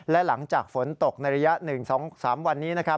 และหลังจากฝนตกในระยะ๑๓วันนี้